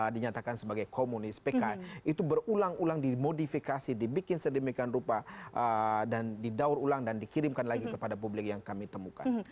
dinyatakan sebagai komunis pk itu berulang ulang dimodifikasi dibikin sedemikian rupa dan didaur ulang dan dikirimkan lagi kepada publik yang kami temukan